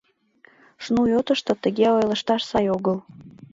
- Шнуй отышто тыге ойлышташ сай огыл...